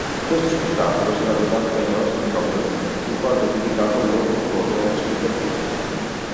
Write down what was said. Questo spettacolo sarà vietato da Joseph Goebbels in quanto giudicato non conforme alle aspettative.